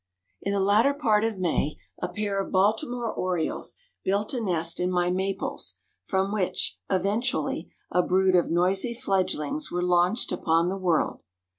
In the latter part of May a pair of Baltimore orioles built a nest in my maples, from which, eventually, a brood of noisy fledglings were launched upon the world.